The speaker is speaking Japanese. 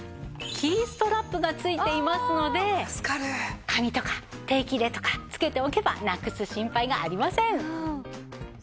キーストラップが付いていますので鍵とか定期入れとか付けておけばなくす心配がありません。